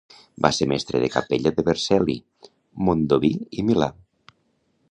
Va ser mestre de capella de Vercelli, Mondovì i Milà.